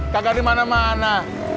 kagak di mana mana